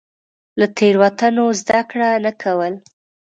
له تېروتنو زده کړه نه کول.